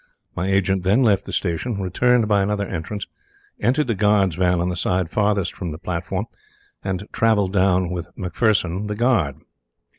My agent then left the station, returned by another entrance, entered the guard's van on the side farthest from the platform, and travelled down with McPherson the guard.